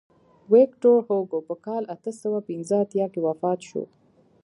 ویکتور هوګو په کال اته سوه پنځه اتیا کې وفات شو.